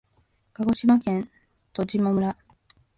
鹿児島県十島村